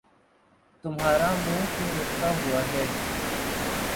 تمہارا منہ کیوں لٹکا ہوا ہے